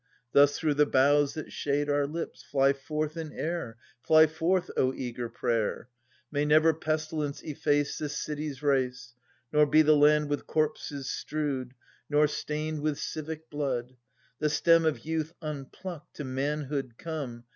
Thus, through the boughs that shade our lips, fly forth in air, ^'''^______ Fly forth, O eager prayer ;^,,(/ f May never pestilence efface / This city's race, V Nor be the land with corpses strewed. Nor stained with civic blood ; The stem of youth, unpluckt, to manhood come.